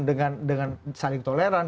dengan saling toleran